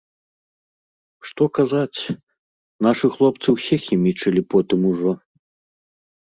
Што казаць, нашы хлопцы ўсе хімічылі потым ужо.